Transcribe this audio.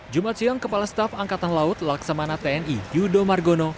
jumat siang kepala staf angkatan laut laksamana tni yudo margono